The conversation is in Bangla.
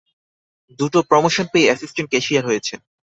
দুটো প্রমোশন পেয়ে এ্যাসিষ্ট্যান্ট ক্যাশিয়ার হয়েছেন।